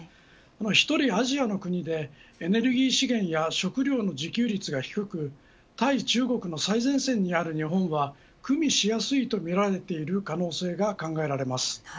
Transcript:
１人アジアの国でエネルギー資源や食料の自給率が低く対中国の最前線にある日本は組みしやすいとみられている可能性が考えられます。